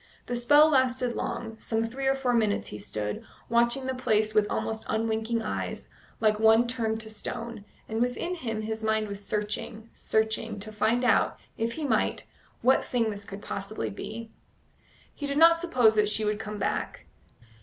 The spell lasted long: some three or four minutes he stood, watching the place with almost unwinking eyes, like one turned to stone, and within him his mind was searching, searching, to find out, if he might, what thing this could possibly be. He did not suppose that she would come back.